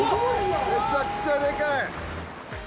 めちゃくちゃでかい！